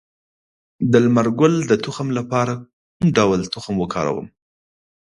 د لمر ګل د تخم لپاره کوم ډول تخم وکاروم؟